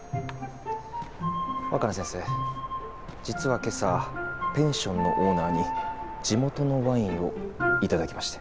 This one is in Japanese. わかな先生実はけさペンションのオーナーに地元のワインを頂きまして。